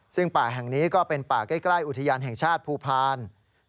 ซึ่งป่าแห่งนี้ก็เป็นป่าใกล้อุทยานแห่งชาติภูพาล